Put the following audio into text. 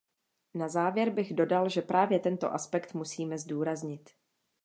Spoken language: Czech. Na závěr bych dodal, že právě tento aspekt musíme zdůraznit.